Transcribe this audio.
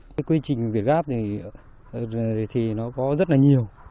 cái quy trình việt gap thì nó có rất là nhiều